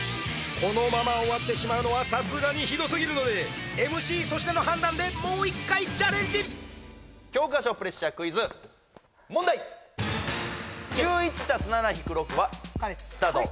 このまま終わってしまうのはさすがにひどすぎるのでＭＣ粗品の判断でもう１回チャレンジ教科書プレッシャークイズ問題スタート！